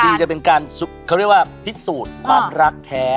ดีจะเป็นการพิสูจน์ความรักแท้